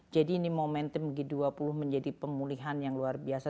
jadi ini momentum g dua puluh menjadi pemulihan yang luar biasa